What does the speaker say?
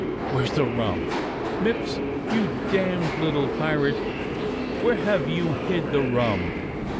WTiere's the rum? Mipps, you damned little pirate, where have you hid the rum?